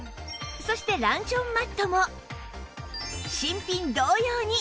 そしてランチョンマットも新品同様に！